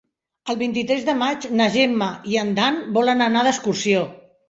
El vint-i-tres de maig na Gemma i en Dan volen anar d'excursió.